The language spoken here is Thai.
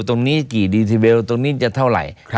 ตรงนี้กี่ดีทีเบลตรงนี้จะเท่าไหร่